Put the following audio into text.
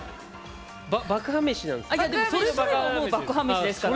爆破メシなんですよね。